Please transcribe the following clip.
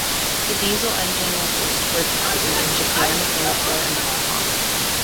The diesel engine was used for taxi in Japan, Singapore, and Hong Kong.